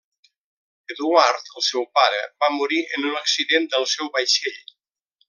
Eduard, el seu pare, va morir en un accident del seu vaixell.